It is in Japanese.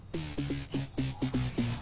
えっ。